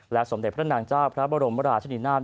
และสมเด็ดพระนางทราบพระบรหมระชันนาภ